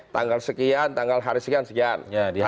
tanggal sekian tanggal hari sekian sekian